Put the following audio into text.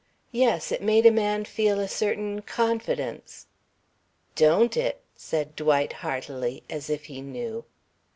Yes, it made a man feel a certain confidence.... "Don't it?" said Dwight heartily, as if he knew.